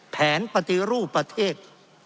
แผนปฏิรูปประเทศ